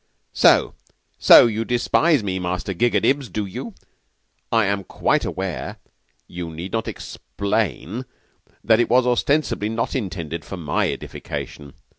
So so you despise me, Master Gigadibs, do you? I am quite aware you need not explain that it was ostensibly not intended for my edification.